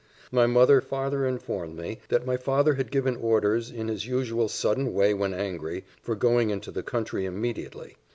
My mother farther informed me, that my father had given orders, in his usual sudden way when angry, for going into the country immediately.